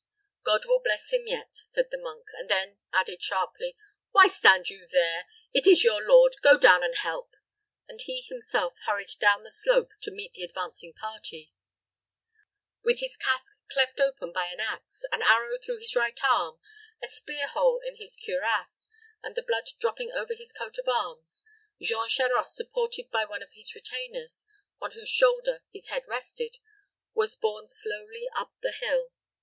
"God will bless him yet," said the monk; and then added, sharply, "Why stand you here? It is your lord; go down and help." And he himself hurried down the slope to meet the advancing party. With his casque cleft open by an ax, an arrow through his right arm, a spear hole in his cuirass, and the blood dropping over his coat of arms, Jean Charost, supported by one of his retainers, on whose shoulder his head rested, was borne slowly up the hill.